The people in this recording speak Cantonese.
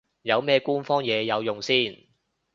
有咩官方嘢有用先